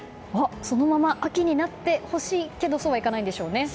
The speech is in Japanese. そのまま秋になってほしいけどそうはいかないんでしょうね。